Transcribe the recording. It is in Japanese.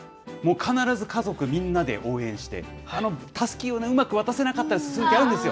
必ず家族みんなで応援して、タスキをね、うまく渡せなかったり、あるんですよ。